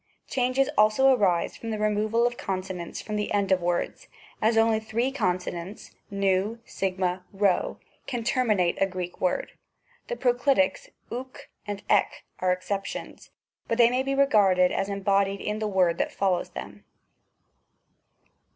Changes also arise from the removal of consonants from the end of words, as only the three consonants v, a, g can terminate a Greek word. The proclitics ovx and m are excep tions, but they may be regarded as embodied in the word that follows them.